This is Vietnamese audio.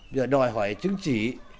giờ đòi hỏi chứng chỉ